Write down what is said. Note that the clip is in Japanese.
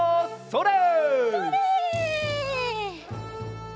それ！